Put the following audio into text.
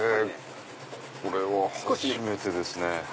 これは初めてですね。